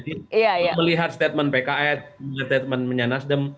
saya lihat statement pki statement punya nasdem